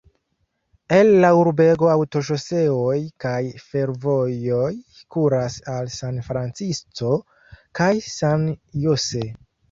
El la urbego aŭtoŝoseoj kaj fervojoj kuras al San Francisco kaj San Jose.